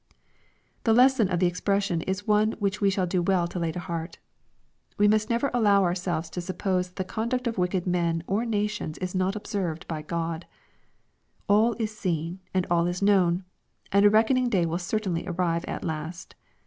The lesson of the expression is one which we shall do well to lay to heart. We must never allow ourselves to suppose that the conduct of wicked men or nations is not observed by Grod. All is seen, and all is known ; and a reckoning day will certainly arrive at last.